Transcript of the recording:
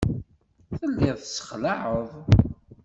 Telliḍ tessexlaɛeḍ.